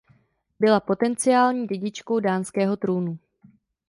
Byla potenciální dědičkou dánského trůnu.